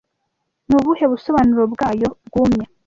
ni ubuhe busobanuro bwayo bwumye